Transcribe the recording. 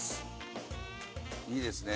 いいですね。